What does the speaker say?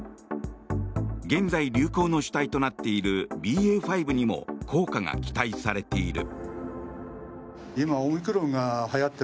現在、流行の主体となっているＢＡ．５にも効果が期待されている。